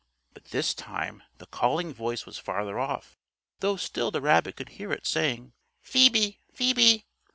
But this time the calling voice was farther off, though still the rabbit could hear it saying: "Phoebe! Phoebe!"